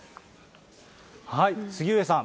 杉上さん。